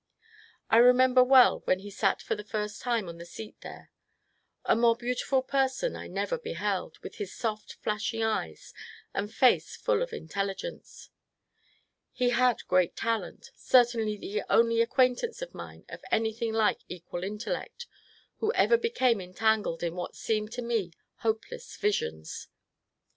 I remember well when he sat for the first time on the seat there. A more beautiful person I never beheld, with his soft flashing eyes and face full of intelligence. He had great tal ent, — certainly the only acquaintance of mine of anything like equal inteUect who ever became entangled in what seemed to me hopeless visions.